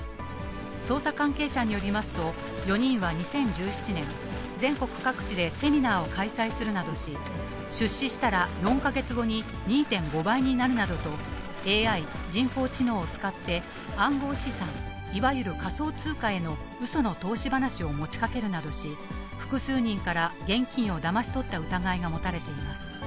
捜査関係者によりますと、４人は２０１７年、全国各地でセミナーを開催するなどし、出資したら４か月後に２．５倍になるなどと、ＡＩ・人工知能を使って、暗号資産、いわゆる仮想通貨へのうその投資話を持ちかけるなどし、複数人から現金をだまし取った疑いが持たれています。